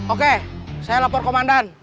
oke saya lapor komandan